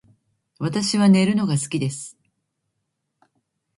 私は寝るのが好きです